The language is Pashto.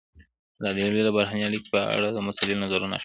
ازادي راډیو د بهرنۍ اړیکې په اړه د مسؤلینو نظرونه اخیستي.